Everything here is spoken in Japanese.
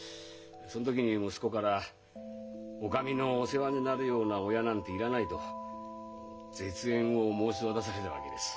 そん時に息子から「お上のお世話になるような親なんて要らない」と絶縁を申し渡されたわけです。